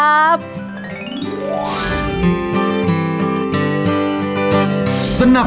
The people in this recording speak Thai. และวันนี้โรงเรียนไทรรัฐวิทยา๖๐จังหวัดพิจิตรครับ